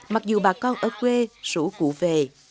mặc dù bà con ở quê rủ cụ về